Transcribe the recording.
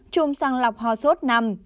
bốn chùm sàng lọc hòa sốt năm